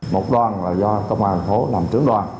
một đoàn là do công an thành phố làm trưởng đoàn